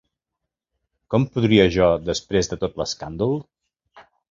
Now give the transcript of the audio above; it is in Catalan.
Com podria jo després de tot l'escàndol?